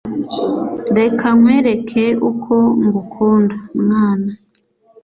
reka nkwereke uko ngukunda mwana